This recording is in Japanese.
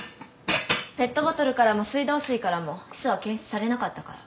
ペットボトルからも水道水からもヒ素は検出されなかったから。